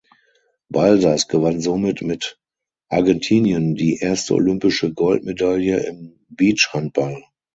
Balsas gewann somit mit Argentinien die erste olympische Goldmedaille im Beachhandball.